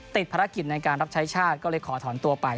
ติดภารกิจในการรับใช้ชาติก็เลยขอถอนตัวไป